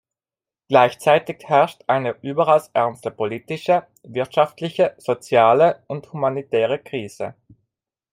Gleichzeitig herrscht eine überaus ernste politische, wirtschaftliche, soziale und humanitäre Krise.